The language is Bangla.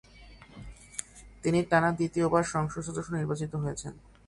তিনি টানা দ্বিতীয়বার সংসদ সদস্য নির্বাচিত হয়েছেন।